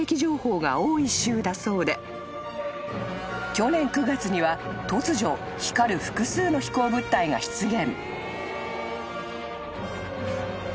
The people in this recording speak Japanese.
［去年９月には突如光る複数の飛行物体が出現］